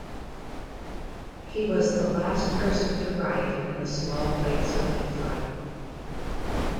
He was the last person to write in the small plates of Nephi.